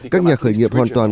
các nhà khởi nghiệp hoàn toàn